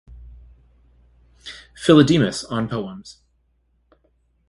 Philodemus: On Poems.